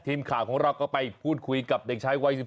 ทีมข่าวของเราก็ไปพูดคุยกับเด็กชายวัย๑๔